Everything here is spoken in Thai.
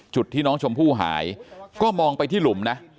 จุดที่น้องชมพู่หายก็มองไปที่หลุมนะ